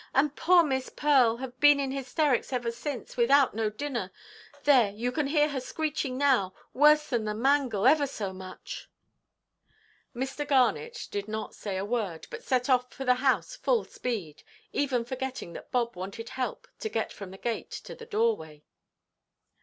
And poor Miss Pearl have been in hysterics ever since, without no dinner. There, you can hear her screeching now, worse than the mangle, ever so much." Mr. Garnet did not say a word, but set off for the house full speed, even forgetting that Bob wanted help to get from the gate to the doorway.